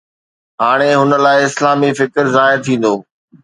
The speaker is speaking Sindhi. هاڻي هن لاءِ اسلامي فڪر ظاهر ٿيندو